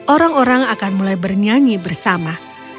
orang orang akan mulai bernyanyi bersama